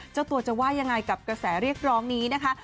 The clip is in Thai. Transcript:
เจ้าตัวจะว่ายังไงกับกระแสเรียกร้องนี้นะคะ